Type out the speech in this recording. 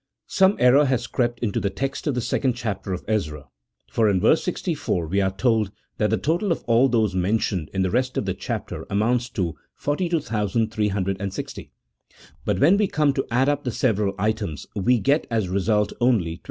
Some error has crept into the text of the second chapter of Ezra, for in verse 64 we are told that the total of all those mentioned in the rest of the chapter amounts to 42,360 ; but, when we come to add up the several items we get as result only 29,818.